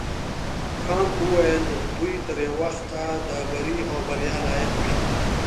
کانت وویل دوی تر یو وخته د بري او بریا لایق وي.